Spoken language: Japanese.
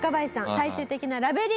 最終的なラベリングを。